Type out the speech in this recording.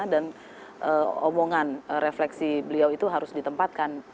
dan omongan refleksi beliau itu harus ditempatkan